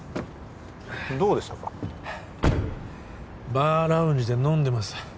バーラウンジで飲んでます